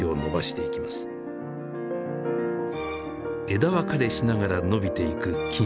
枝分かれしながら伸びていく菌糸。